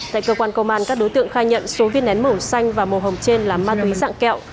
tại cơ quan công an các đối tượng khai nhận số viên nén màu xanh và màu hồng trên là ma túy dạng kẹo